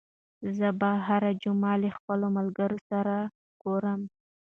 زه به هره جمعه له خپلو ملګرو سره ګورم.